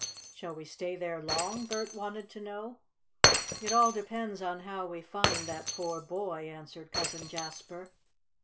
"Shall we stay there long?" Bert wanted to know. "It all depends on how we find that poor boy," answered Cousin Jasper.